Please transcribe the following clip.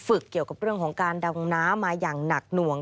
เกี่ยวกับเรื่องของการดำน้ำมาอย่างหนักหน่วง